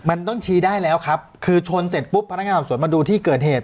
มันต้องชี้ได้แล้วครับคือชนเสร็จปุ๊บพนักงานสอบสวนมาดูที่เกิดเหตุ